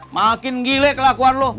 makin gile kelakuan lu